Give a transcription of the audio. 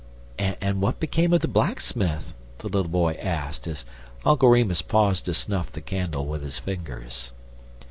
"And what became of the blacksmith?" the little boy asked, as Uncle Remus paused to snuff the candle with his fingers.